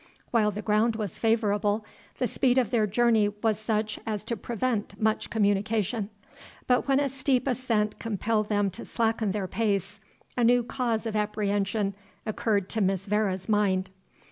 While the ground was favourable, the speed of their journey was such as to prevent much communication; but when a steep ascent compelled them to slacken their pace, a new cause of apprehension occurred to Miss Vere's mind.